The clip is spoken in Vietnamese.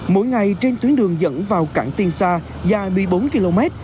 mỗi ngày trên tuyến đường dẫn vào cảng tiên sa dài một mươi bốn km